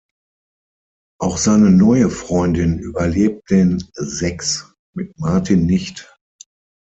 Auch seine neue Freundin überlebt den Sex mit Martin nicht.